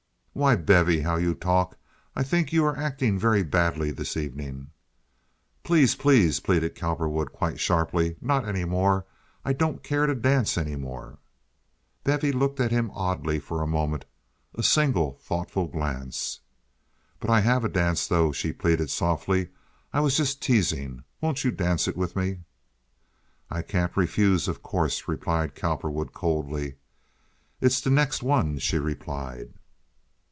"Why, Bevy, how you talk! I think you are acting very badly this evening." "Please, please," pleaded Cowperwood, quite sharply. "Not any more. I don't care to dance any more." Bevy looked at him oddly for a moment—a single thoughtful glance. "But I have a dance, though," she pleaded, softly. "I was just teasing. Won't you dance it with me? "I can't refuse, of course," replied Cowperwood, coldly. "It's the next one," she replied.